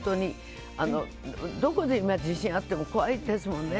どこで今、地震があっても怖いですもんね。